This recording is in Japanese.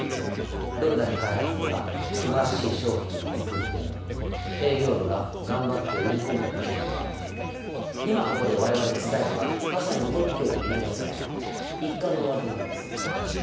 どれだけ開発部が素晴らしい商品を作っても営業部が頑張って売り込んだとしても今ここで我々知財部が他社の特許を見逃せば一巻の終わりとなるんです。